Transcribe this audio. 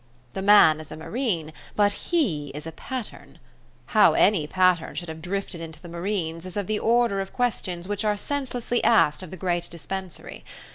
The man is a Marine, but he is a Patterne. How any Patterne should have drifted into the Marines, is of the order of questions which are senselessly asked of the great dispensary.